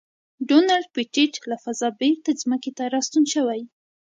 ډونلډ پېټټ له فضا بېرته ځمکې ته راستون شوی.